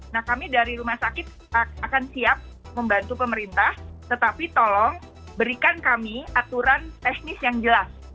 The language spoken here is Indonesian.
nah kami dari rumah sakit akan siap membantu pemerintah tetapi tolong berikan kami aturan teknis yang jelas